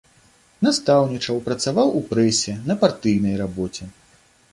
Настаўнічаў, працаваў у прэсе, на партыйнай рабоце.